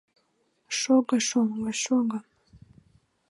— Шого, шоҥго, шого!